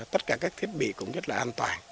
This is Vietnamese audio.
tất cả các thiết bị cũng rất là an toàn